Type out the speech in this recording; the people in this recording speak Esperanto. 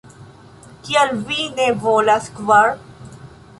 Kial vi ne volas kvar?"